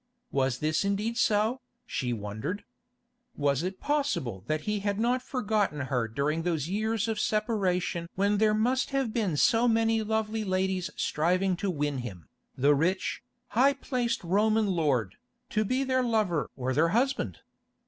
Was this indeed so, she wondered? Was it possible that he had not forgotten her during those years of separation when there must have been so many lovely ladies striving to win him, the rich, high placed Roman lord, to be their lover or their husband?